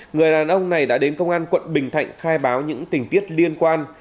người đàn ông này đã đến công an quận bình thạnh khai báo những tình tiết liên quan